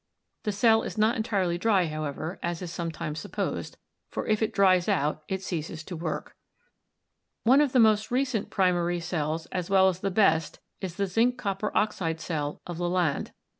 The cell is not entirely dry, however, as is sometimes supposed, for if it dries out it ceases to work. One of the most recent primary cells as well as the best is the zinc copper oxide cell of Lalande.